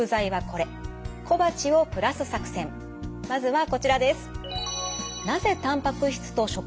まずはこちらです。